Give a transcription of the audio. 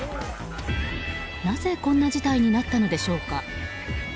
なぜ、こんな事態になったのでしょうか。